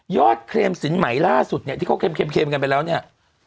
เครมสินใหม่ล่าสุดเนี่ยที่เขาเค็มกันไปแล้วเนี่ย